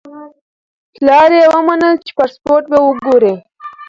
پلار یې ومنله چې پاسپورت به وګوري.